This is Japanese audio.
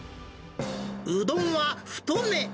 うどんは太め。